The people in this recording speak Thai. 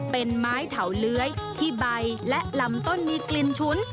เป็นไม้เถาเลื้อยที่ใบและลำต้นมีกลิ่นฉุน